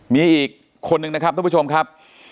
มีอีกคนนึงนะครับทุกผู้ชมครับ